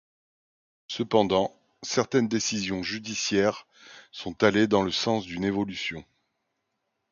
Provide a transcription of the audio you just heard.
Cependant, certaines décisions judiciaires sont allées dans le sens d'une évolution.